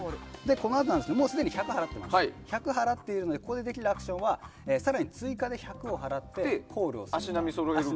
このあと、すでに１００払っているのでここでできるアクションは更に追加で１００を払ってコールします。